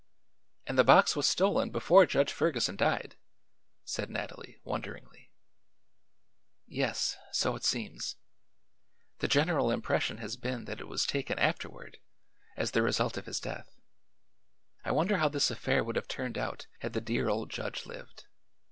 "And the box was stolen before Judge Ferguson died," said Nathalie, wonderingly. "Yes; so it seems. The general impression has been that it was taken afterward, as the result of his death. I wonder how this affair would have turned out had the dear old judge lived.